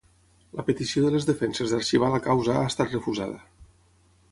La petició de les defenses d’arxivar la causa ha estat refusada.